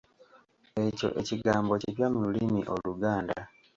Ekyo ekigambo kipya mu lulimi Oluganda.